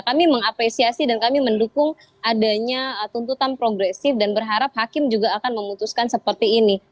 kami mengapresiasi dan kami mendukung adanya tuntutan progresif dan berharap hakim juga akan memutuskan seperti ini